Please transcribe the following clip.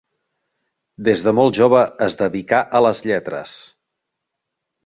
Des de molt jove es dedicà a les lletres.